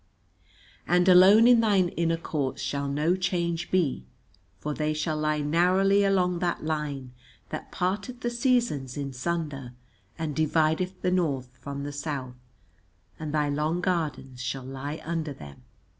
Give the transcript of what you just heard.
And alone in thine inner courts shall no change be, for they shall lie narrowly along that line that parteth the seasons in sunder and divideth the North from the South, and thy long gardens shall lie under them.